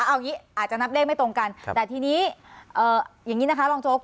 อาจจะนับเลขไม่ตรงกันแต่ทีนี้อย่างนี้นะคะลองจบ